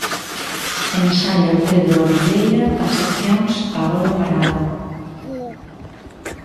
Ensaia Pedro Abilleira as accións a bóla parada.